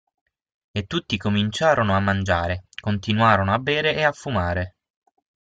E tutti cominciarono a mangiare, continuarono a bere e a fumare.